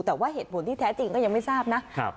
แต่ว่าเหตุผลที่แท้จริงก็ยังไม่ทราบนะ